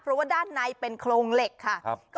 เพราะว่าด้านในเป็นโครงเหล็กค่ะ